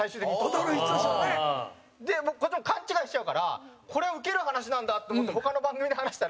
草薙：で、こっちも勘違いしちゃうからこれ、ウケる話なんだと思って他の番組で話したら、